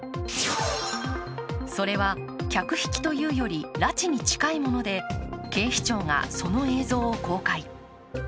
それは客引きというより拉致に近いもので、警視庁がその映像を公開。